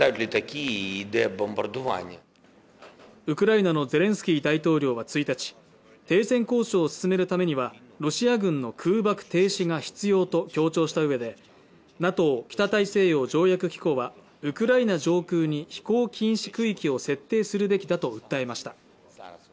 ウクライナのゼレンスキー大統領は１日停戦交渉を進めるためにはロシア軍の空爆停止が必要と強調したうえでＮＡＴＯ＝北大西洋条約機構はウクライナ上空に飛行禁止区域を設定するべきだと訴えました